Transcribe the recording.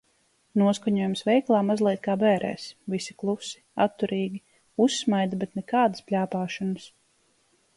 Noskaņojums veikalā mazliet kā bērēs. Visi klusi, atturīgi. Uzsmaida, bet nekādas pļāpāšanas.